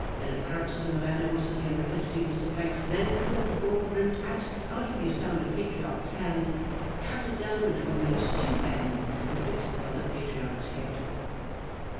In a paroxysm of animosity and rapidity, Mr Pancks then caught the broad brimmed hat out of the astounded Patriarch's hand, cut it down into a mere stewpan, and fixed it on the Patriarch's head.